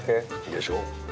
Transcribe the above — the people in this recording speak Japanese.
でしょ？